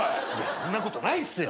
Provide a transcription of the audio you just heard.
そんなことないっすよ。